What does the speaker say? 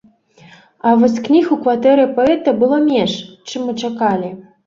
А вось кніг у кватэры паэта было менш, чым мы чакалі.